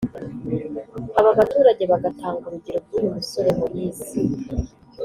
Aba baturage bagatanga urugero rw’uyu musore Moise